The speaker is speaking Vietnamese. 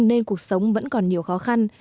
nên cuộc sống vẫn còn nhiều khó khăn